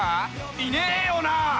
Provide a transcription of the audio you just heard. いねえよな！